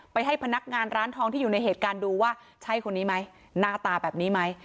ให้พนักงานร้านทองที่อยู่ในเหตุการณ์ดูว่าใช่คนนี้ไหมหน้าตาแบบนี้ไหม